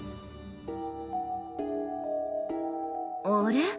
あれ？